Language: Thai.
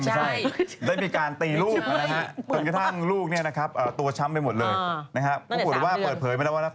ไม่ใช่ได้มีการตีลูกนะฮะตัวช้ำไปหมดเลยนะฮะพูดว่าเปิดเผยมาแล้วนะครับ